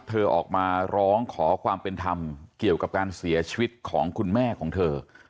เธอออกมาร้องขอความเป็นธรรมเกี่ยวกับการเสียชีวิตของคุณแม่ของเธอ